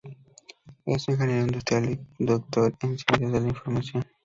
Es ingeniero industrial y doctor en Ciencias de la Información.